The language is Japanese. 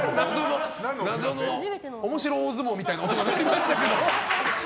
謎の面白大相撲みたいな音が鳴りましたけど。